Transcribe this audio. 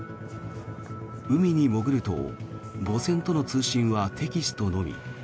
海に潜ると母船との通信はテキストのみ。